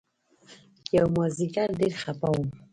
يومازديگر ډېر خپه وم.